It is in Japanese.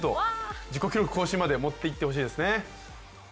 自己記録更新まで持っていってほしいですね。